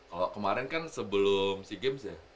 kalo kemarin kan sebelum si games ya